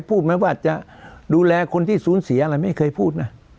พูดไหมว่าจะดูแลคนที่สูญเสียอะไรไม่เคยพูดนะ